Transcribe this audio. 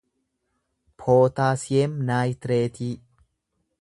pootaasiyeem naayitreetii